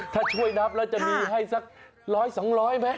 ถ้าช่วยนับแล้วจะมีให้สักร้อยสองร้อยไหม